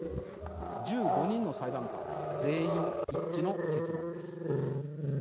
１５人の裁判官全員一致の結論です。